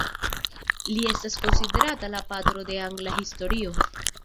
Li estas konsiderata "la patro de angla historio".